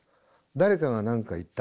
誰かが何か言った。